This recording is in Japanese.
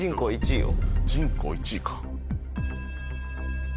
人口１位か。